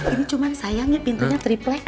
ini cuma sayangnya pintunya triplek